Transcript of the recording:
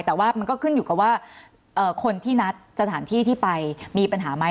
แต่ว่ามันก็ขึ้นอยู่กับว่าคนที่นัดสถานที่ที่ไปมีปัญหาไหม